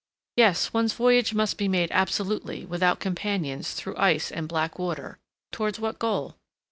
Yes, one's voyage must be made absolutely without companions through ice and black water—towards what goal?